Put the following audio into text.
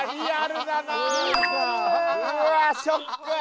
うわーショック！